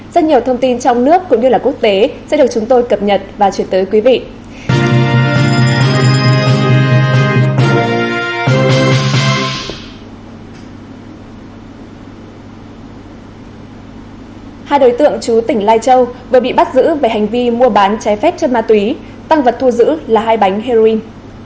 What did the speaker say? đối tượng chú tỉnh lai châu vừa bị bắt giữ về hành vi mua bán trái phép chất ma túy tăng vật thu giữ là hai bánh heroin